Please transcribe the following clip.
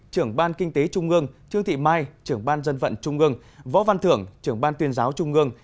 trưởng ban kinh tế trung ương trương thị mai trưởng ban dân vận trung ương võ văn thưởng trưởng ban tuyên giáo trung ương